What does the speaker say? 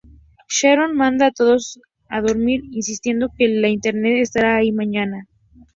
Sharon manda a todos a dormir, insistiendo que la Internet estará ahí mañana.